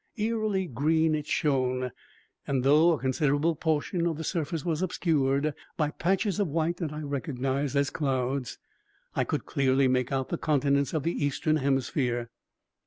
Eerily green it shone, and, though a considerable portion of the surface was obscured by patches of white that I recognized as clouds, I could clearly make out the continents of the eastern hemisphere.